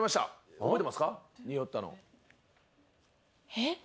えっ。